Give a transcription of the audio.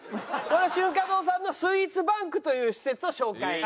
これは春華堂さんのスイーツバンクという施設を紹介。